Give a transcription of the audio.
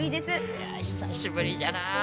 いや久しぶりじゃな。